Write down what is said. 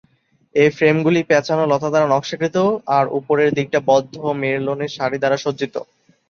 এ ফ্রেমগুলি প্যাঁচানো লতা দ্বারা নকশাকৃত আর উপরের দিকটা বদ্ধ মেরলোনের সারি দ্বারা সজ্জিত।